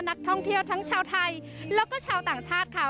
นักท่องเที่ยวทั้งชาวไทยแล้วก็ชาวต่างชาติค่ะ